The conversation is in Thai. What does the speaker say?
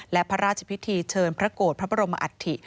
และพระราชพิธีเชิญพระโกรธพระบรมอัฐิ